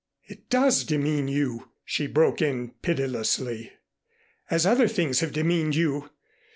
"It does demean you," she broke in pitilessly, "as other things have demeaned you.